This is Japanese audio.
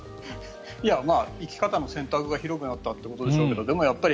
生き方の選択が広くなったということでしょうけどでもやっぱり